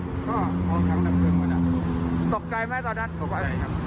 เป็นรถบุรีต่อเนื่องที่เรื่องของไฟไหม้เลยนะคะเดี๋ยวพาไปที่รถบุรี